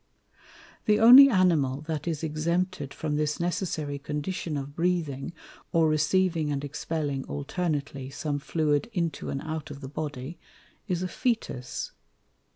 The only Animal that is exempted from this necessary condition of Breathing, or receiving and expelling alternately some Fluid into and out of the Body, is a Fœtus.